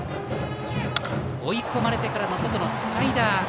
追い込まれてからの外のスライダー。